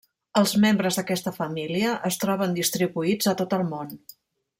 Els membres d'aquesta família es troben distribuïts a tot el món.